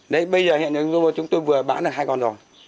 đấy bây giờ hiện giờ chúng tôi vừa bán được hai con rồi